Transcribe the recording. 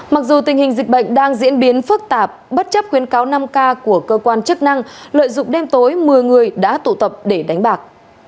mặc dù tình hình dịch bệnh đang diễn biến phức tạp bất chấp khuyến cáo năm k của cơ quan chức năng lợi dụng đêm tối một mươi người đã tụ tập để đánh bạc